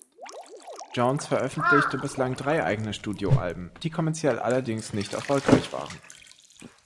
Jones veröffentlichte bislang drei eigene Studioalben, die kommerziell allerdings nicht erfolgreich waren.